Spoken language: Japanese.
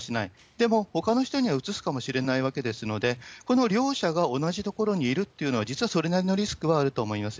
でも、ほかの人にはうつすかもしれないわけですので、この両者が同じところにいるっていうのは、実はそれなりのリスクはあると思います。